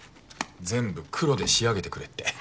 全部黒で仕上げてくれって。